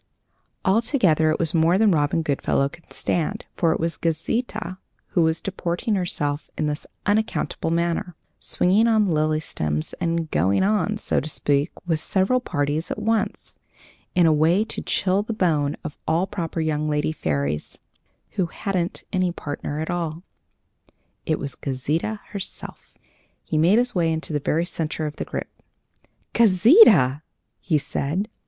Altogether it was more than Robin Goodfellow could stand, for it was Gauzita who was deporting herself in this unaccountable manner, swinging on lily stems, and "going on," so to speak, with several parties at once, in a way to chill the blood of any proper young lady fairy who hadn't any partner at all. It was Gauzita herself. He made his way into the very centre of the group. "Gauzita!" he said.